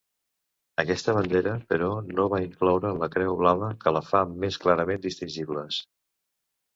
Aquesta bandera però no va incloure la creu blava que les fa més clarament distingibles.